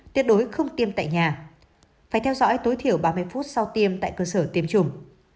tuyệt đối không tiêm tại nhà phải theo dõi tối thiểu ba mươi phút sau tiêm tại cơ sở tiêm chủng